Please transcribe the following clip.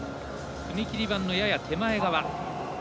踏切板のやや手前側。